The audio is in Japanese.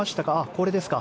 これですか。